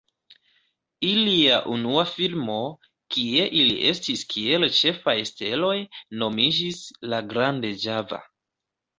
Ilia unua filmo, kie ili estis kiel ĉefaj steloj, nomiĝis "La Grande Java".